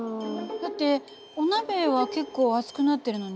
だってお鍋は結構熱くなってるのにね。